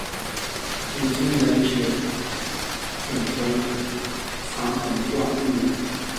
如今原址仅存残垣断壁。